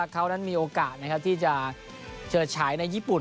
เขานั้นมีโอกาสที่จะเฉิดฉายในญี่ปุ่น